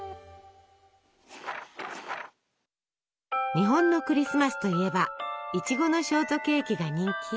日本のクリスマスといえばいちごのショートケーキが人気。